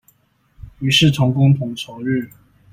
於是同工同酬日